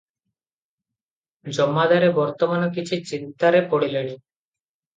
ଜମାଦାରେ ବର୍ତ୍ତମାନ କିଛି ଚିନ୍ତାରେ ପଡ଼ିଲେଣି ।